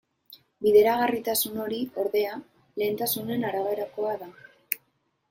Bideragarritasun hori, ordea, lehentasunen araberakoa da.